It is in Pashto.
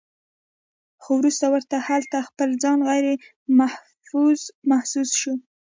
خو وروستو ورته هلته خپل ځان غيرمحفوظ محسوس شو